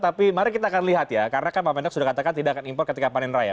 tapi mari kita akan lihat ya karena kan pak mendak sudah katakan tidak akan impor ketika panen raya